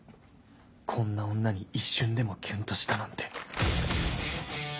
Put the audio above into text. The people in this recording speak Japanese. こんな女に一瞬でもキュンとしたなんて